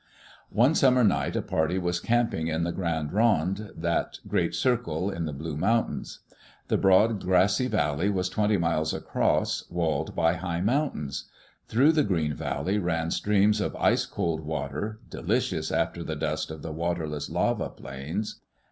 One summer night a party was camping in the Grande Ronde, that "Great Circle," in the Blue Mountains. The broad, grassy valley was twenty miles across, walled by high mountains: Through the green valley ran streams of ice cold water, delicious after the dust of the waterless lava plains.